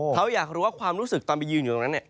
เขาอยากรู้ว่าความรู้สึกตอนไปยืนอยู่ตรงนั้นเนี่ย